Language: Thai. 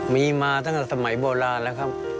มีมาตั้งแต่สมัยโบราณแล้วครับ